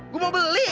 gue mau beli